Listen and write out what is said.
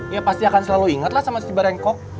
ya pasti akan selalu ingat lah sama cibarengkok